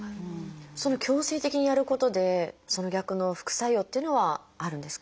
強制的にやることでその逆の副作用っていうのはあるんですか？